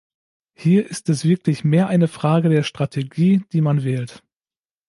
Hier ist es wirklich mehr eine Frage der Strategie, die man wählt.